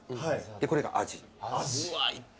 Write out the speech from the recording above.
でこれがアジ。